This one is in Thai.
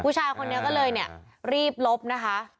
ผู้ชายคนนี้ก็เลยเนี่ยรีบลบนะคะ